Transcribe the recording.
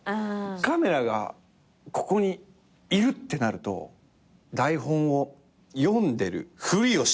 カメラがここにいるってなると台本を読んでるふりをしてる俺なのよ。